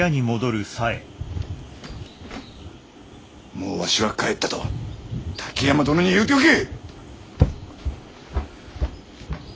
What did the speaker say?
もうわしは帰ったと滝山殿に言うておけ！